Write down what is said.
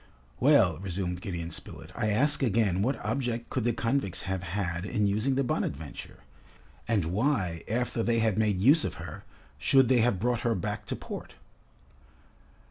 "Well," resumed Gideon Spilett, "I ask again, what object could the convicts have had in using the 'Bonadventure,' and why, after they had made use of her, should they have brought her back to port?"